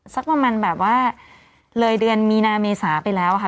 สักประมาณแบบว่าเลยเดือนมีนาเมษาไปแล้วค่ะ